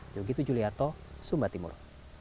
begitu juliarto sumba timur